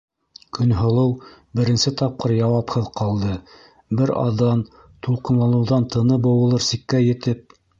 Көнһылыу беренсе тапҡыр яуапһыҙ ҡалды, бер аҙҙан тулҡынланыуҙан тыны быуылыр сиккә етеп: